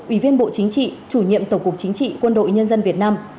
ủy viên bộ chính trị chủ nhiệm tổng cục chính trị quân đội nhân dân việt nam